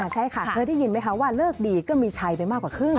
ใช่ค่ะเคยได้ยินไหมคะว่าเลิกดีก็มีชัยไปมากกว่าครึ่ง